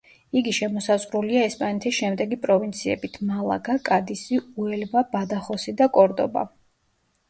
იგი შემოსაზღვრულია ესპანეთის შემდეგი პროვინციებით: მალაგა, კადისი, უელვა, ბადახოსი და კორდობა.